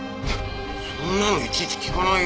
そんなのいちいち聞かないよ。